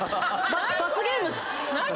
罰ゲーム⁉